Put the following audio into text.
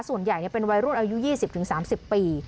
ส่วนใหญ่เนี่ยเป็นไวรูสอายุยี่สิบถึงสามสิบปี